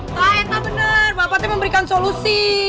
pak entah bener bapak tuh memberikan solusi